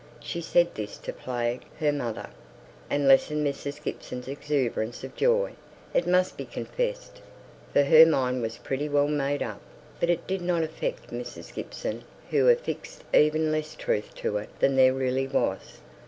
She said this to plague her mother, and lessen Mrs. Gibson's exuberance of joy, it must be confessed; for her mind was pretty well made up. But it did not affect Mrs. Gibson, who affixed even less truth to it than there really was.